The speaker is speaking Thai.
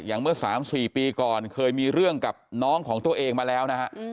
เมื่อ๓๔ปีก่อนเคยมีเรื่องกับน้องของตัวเองมาแล้วนะฮะ